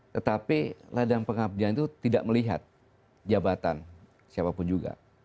tetapi ladang pengabdian itu tidak melihat jabatan siapapun juga